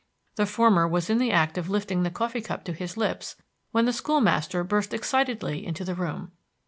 The former was in the act of lifting the coffee cup to his lips, when the school master burst excitedly into the room.